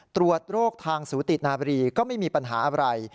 ตรวจโรคทางสูตินาบรีก็ไม่มีปัญหาอะไร